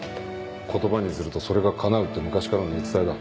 言葉にするとそれが叶うって昔からの言い伝えだ。